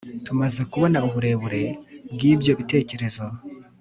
tumaze kubona uburebure bw'ibyo bitekerezo